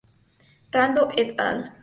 Rando, et al.